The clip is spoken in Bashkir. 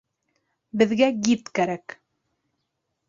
Беҙгә гид кәрәк